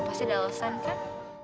pasti ada alasan kan